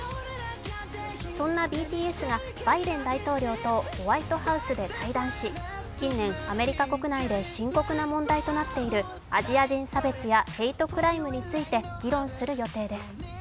そんなＢＴＳがバイデン大統領とホワイトハウスで対談し、近年、アメリカ国内で深刻な問題となっているアジア人差別やヘイトクライムについて議論する予定です。